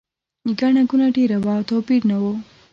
ګڼه ګوڼه ډېره وه او توپیر نه و.